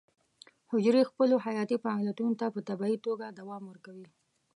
حجرې خپلو حیاتي فعالیتونو ته په طبیعي توګه دوام ورکوي.